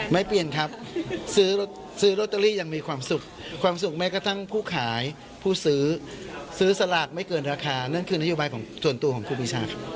ไม่เปลี่ยนครับซื้อโรตเตอรี่ยังมีความสุขความสุขแม้กระทั่งผู้ขายผู้ซื้อซื้อสลากไม่เกินราคานั่นคือนโยบายของส่วนตัวของครูปีชา